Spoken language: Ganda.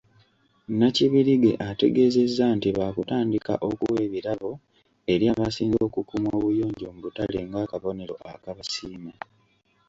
Nakibirige ategeezezza nti baakutandika okuwa ebirabo eri abasinze okukuuma obuyonjo mu butale ng'akabonero akabasiima.